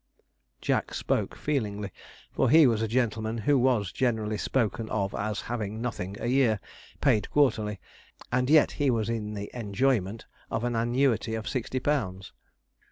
Jack spoke feelingly, for he was a gentleman who was generally spoken of as having nothing a year, paid quarterly; and yet he was in the enjoyment of an annuity of sixty pounds.